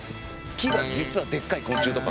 木が実はでっかい昆虫とか。